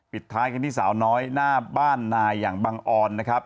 ปิดท้ายกันที่สาวน้อยหน้าบ้านนายอย่างบังออนนะครับ